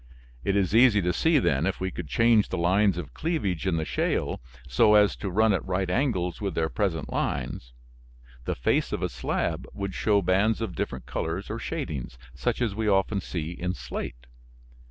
It is easy to see, then, if we could change the lines of cleavage in the shale, so as to run at right angles with their present lines, the face of a slab would show bands of different colors or shadings, such as we often see in slate.